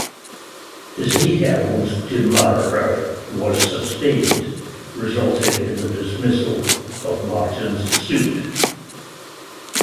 Ziherl's demurrer was sustained, resulting in the dismissal of Martin's suit.